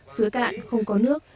suối cạn không có nước